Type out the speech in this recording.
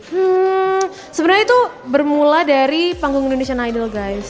hmm sebenernya itu bermula dari panggung indonesian idol guys